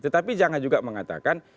tapi jangan juga mengatakan